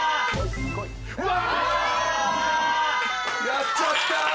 やっちゃった。